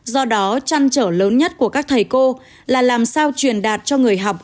do đó trăn trở lớn nhất của các thầy cô là làm sao truyền đạt cho người học